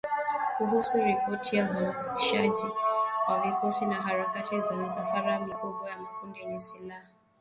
Kuhusu ripoti ya uhamasishaji wa vikosi na harakati za misafara mikubwa ya makundi yenye silaha ambayo yameongeza mvutano ndani na kuzunguka Tripoli